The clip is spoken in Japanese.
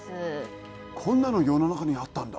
こんなの世の中にあったんだ。